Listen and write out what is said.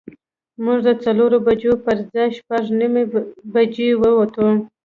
موږ د څلورو بجو پر ځای شپږ نیمې بجې ووتو.